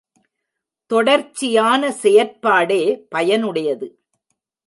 தொடர்ச்சியான செயற்பாடே பயனுடையது.